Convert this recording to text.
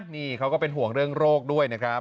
นี่เขาก็เป็นห่วงเรื่องโรคด้วยนะครับ